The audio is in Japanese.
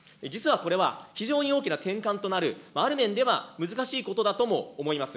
実はこれは、非常に大きな転換となる、ある面では難しいことだとも思います。